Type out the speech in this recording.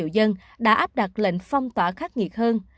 đã áp đặt lệnh phong tỏa khắc nghiệt hơn